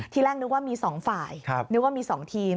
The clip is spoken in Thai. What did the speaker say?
แรกนึกว่ามี๒ฝ่ายนึกว่ามี๒ทีม